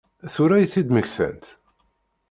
Tura i t-id-mmektant?